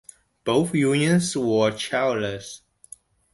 Both unions were childless.